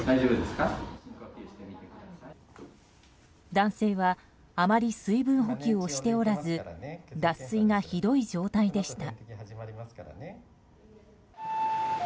男性はあまり水分補給をしておらず脱水がひどい状態でした。